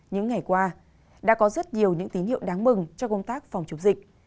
những ngày qua đã có rất nhiều những tín hiệu đáng mừng cho công tác phòng chống dịch